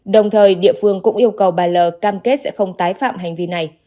đồng thời địa phương cũng yêu cầu bà l cam kết sẽ không tái phạm hành vi này